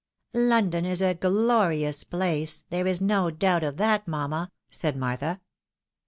" London is a glorious place ; there is no doubt of that, mamma," said Martha.